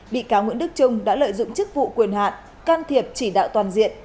bị cáo nguyễn đức trung đã lợi dụng chức vụ quyền hạn can thiệp chỉ đạo toàn diện